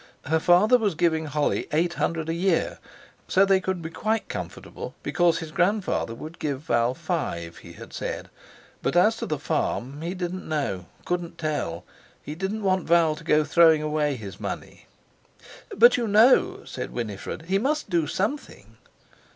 Her father was giving Holly eight hundred a year, so they could be quite comfortable, because his grandfather would give Val five, he had said; but as to the farm, he didn't know—couldn't tell: he didn't want Val to go throwing away his money. "But you know," said Winifred, "he must do something."